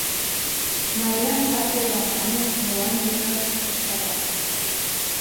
— Мариян вате улам манын, молан вигак шыч каласе?